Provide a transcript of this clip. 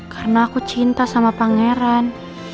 karena aku cinta sama pangeran